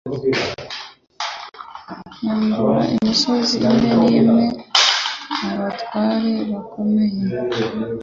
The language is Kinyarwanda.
yambura imisozi imwe n imwe abatware bakomeye